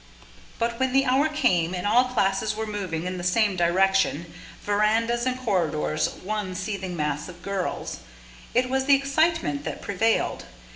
But when the hour came, and all classes were moving in the same direction, verandahs and corridors one seething mass of girls, it was the excitement that prevailed.